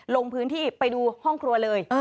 ลงพื้นที่ไปดูห้องครัวเลย